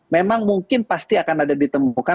memang mungkin pasti akan ada ditemukan